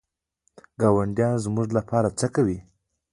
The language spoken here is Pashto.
ګاونډیان زموږ لپاره څه دي؟